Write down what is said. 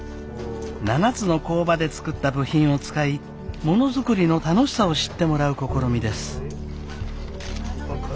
７つの工場で作った部品を使いものづくりの楽しさを知ってもらう試みです。